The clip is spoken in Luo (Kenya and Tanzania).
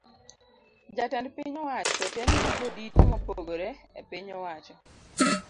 Jatend piny owacho oten gi jodito mopogore epiny owacho.